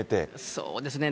そうですね。